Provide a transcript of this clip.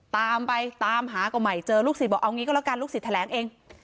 ตามไปตามหาก็ใหม่เจอลูกศิษย์บอกเอางี้ก็แล้วกันลูกศิษย์แถลงเอง